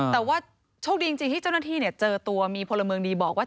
แต่ว่าโชคดีจริงที่เจ้าหน้าที่เจอตัวมีพลเมืองดีบอกว่า